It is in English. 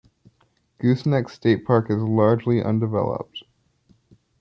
Goosenecks State Park is largely undeveloped.